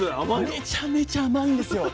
めちゃめちゃ甘いんですよ。